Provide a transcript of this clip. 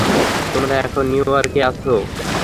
তোমরা এখন নিউ ইয়র্কে আছো।